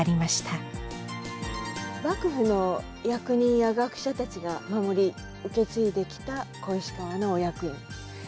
幕府の役人や学者たちが守り受け継いできた小石川の御薬園。